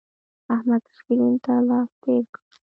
احمد سکرین ته لاس تیر کړ.